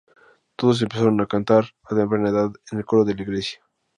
Todos empezaron a cantar a temprana edad en el coro de la iglesia.